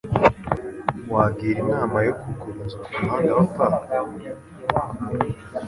Wagira inama yo kugura inzu kumuhanda wa Park?